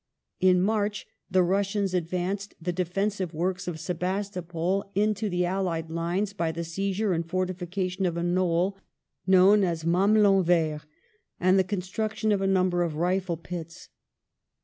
In March, the Russians advanced the defensive works of Sebastopol into the allied lines by the seizure and fortification of a knoll known as the Mamelon Verty and the construction of a number of rifle pits.